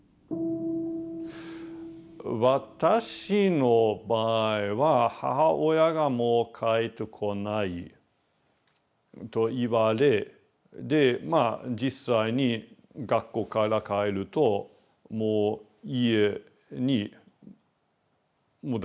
私の場合は母親がもう帰ってこないと言われでまあ実際に学校から帰るともう家にもう誰もいない。